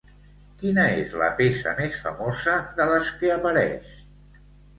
Quina és la peça més famosa, de les que apareix?